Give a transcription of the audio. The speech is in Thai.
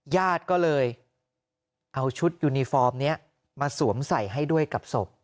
ญาติก็เลยเอาชุดยูนิฟอร์มนี้มาสวมใส่ให้ด้วยกับศพ